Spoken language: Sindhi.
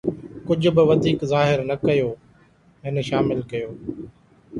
ڪجھ به وڌيڪ ظاهر نه ڪيو، هن شامل ڪيو